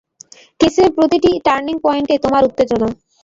কেসের প্রতিটি টার্নিং পয়েন্টে তোমার উত্তেজনা।